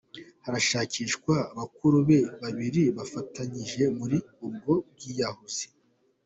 Haracyashakishwa bakuru be babiri bafatanyije muri ubwo bwiyahuzi.